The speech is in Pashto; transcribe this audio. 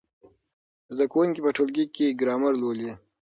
زده کوونکي په ټولګي کې ګرامر لولي.